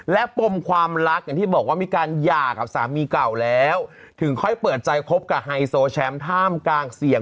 และปมความรักอย่างที่บอกว่ามีการหย่ากับสามีเก่าแล้วถึงค่อยเปิดใจคบกับไฮโซแชมป์ท่ามกลางเสียง